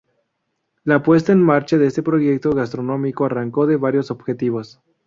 La puesta en marcha de este proyecto gastronómico arrancó de varios objetivos.